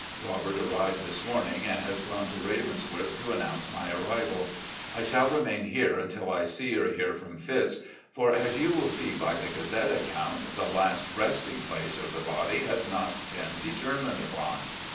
Robert arrived this morning and has gone to 'Ravensworth' to announce my arrival. I shall remain here until I see or hear from Fitz. , for, as you will see by the Gazette's account, the last resting place of the body has not been determined upon.